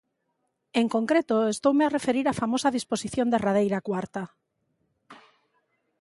En concreto, estoume a referir á famosa disposición derradeira cuarta.